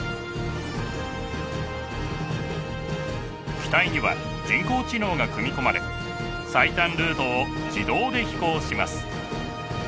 機体には人工知能が組み込まれ最短ルートを自動で飛行します。